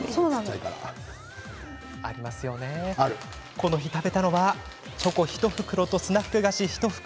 この日、食べたのはチョコ１袋とスナック菓子１袋。